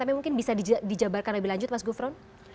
tapi mungkin bisa dijabarkan lebih lanjut mas gufron